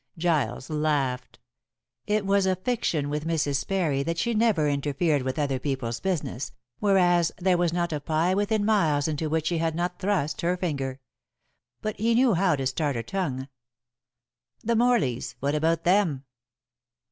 Giles laughed. It was a fiction with Mrs. Parry that she never interfered with other people's business, whereas there was not a pie within miles into which she had not thrust her finger. But he knew how to start her tongue. "The Morleys, what about them?"